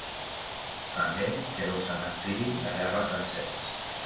També queda un cementiri de guerra francès.